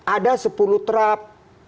ada sepuluh trap